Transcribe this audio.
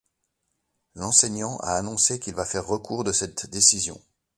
L'enseignant a annoncé qu'il va faire recours de cette décision.